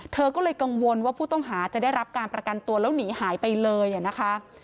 เธอก็เลยกังวลว่าผู้ต้องหาจะได้รับการประกันตัวแล้วหนีหายไปเลยนะคะ